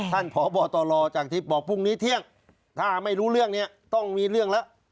พบตรจากทิพย์บอกพรุ่งนี้เที่ยงถ้าไม่รู้เรื่องนี้ต้องมีเรื่องแล้ว